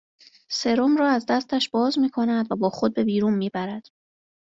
سرُم را از دستش باز میکند و با خود به بیرون میبرد